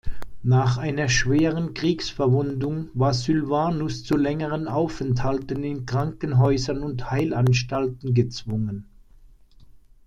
Nach einer schweren Kriegsverwundung war Sylvanus zu längeren Aufenthalten in Krankenhäusern und Heilanstalten gezwungen.